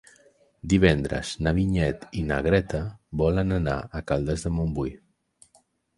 Divendres na Vinyet i na Greta volen anar a Caldes de Montbui.